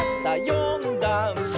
「よんだんす」